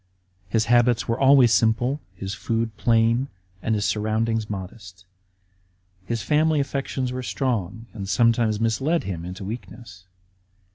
His habits were always simple, his food plain, and his surroundings modest. His family affections were strong and sometimes misled him into weak ness.